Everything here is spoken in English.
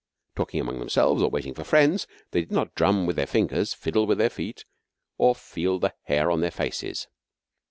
Talking among themselves, or waiting for friends, they did not drum with their fingers, fiddle with their feet, or feel the hair on their faces.